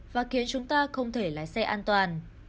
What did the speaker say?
và khiến chúng ta không thể lái xe an toàn